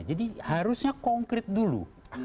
jadi harusnya konkret dulu